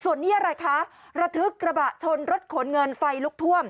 ส่วนนี้อะไรคะระทึกกระบะชนรถขนเงินไฟลุกท่วม